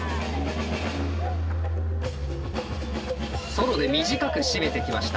ソロで短く締めてきました。